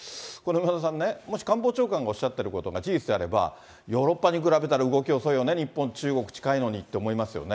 梅沢さんね、もし官房長官がおっしゃっていることが事実であれば、ヨーロッパに比べれば動き遅いよね、日本、中国近いのにって思いますよね。